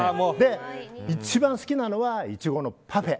一番好きなのはイチゴのパフェ。